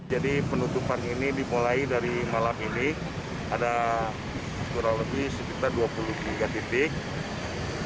jadi penutupan ini dimulai dari malam ini ada kurang lebih sekitar dua puluh tiga titik